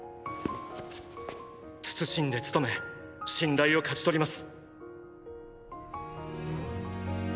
謹んで務め信頼を勝ち取ります。